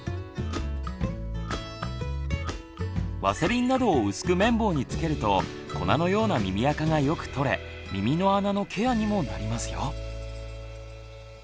ワセリンなどを薄く綿棒につけると粉のような耳あかがよく取れ耳の穴のケアにもなりますよ。